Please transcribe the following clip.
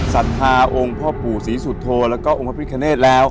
ศรัทธาองค์พ่อผู้ศรีสุทธโตแล้วก็องค์พระพิธิเคณฑ์แล้ว